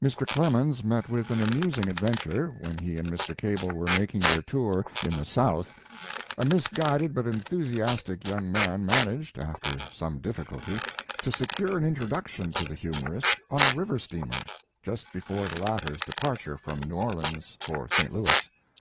Mr. Clemens met with an amusing ad venture when he and Mr. Cable were making their tour in the South. A mis guided but enthusiastic young man man aged, after some difficulty, to secure an introduction to the humorist on a river steamer, just before the latter s departure from New Orleans for St. L,ouis.